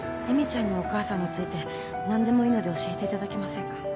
映美ちゃんのお母さんについて何でもいいので教えていただけませんか？